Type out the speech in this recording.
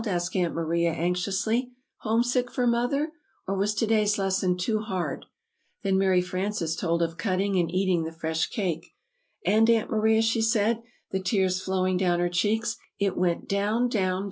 asked Aunt Maria, anxiously. "'Homesick' for Mother? or was to day's lesson too hard?" Then Mary Frances told of cutting and eating the fresh cake. "And, Aunt Maria," she said, the tears flowing down her cheeks, "it went down! down!